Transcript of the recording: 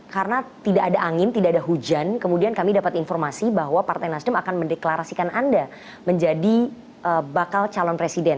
karena tidak ada angin tidak ada hujan kemudian kami dapat informasi bahwa partai nasdum akan mendeklarasikan anda menjadi bakal calon presiden